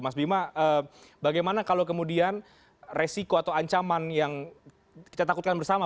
mas bima bagaimana kalau kemudian resiko atau ancaman yang kita takutkan bersama